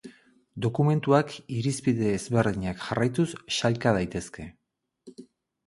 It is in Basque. Dokumentuak irizpide ezberdinak jarraituz sailka daitezke.